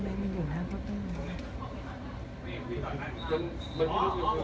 ตอนมันจะหนีตอนตำรวจมา